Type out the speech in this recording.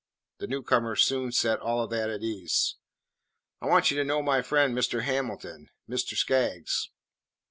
The new comer soon set all of that at ease. "I want you to know my friend, Mr. Hamilton, Mr. Skaggs."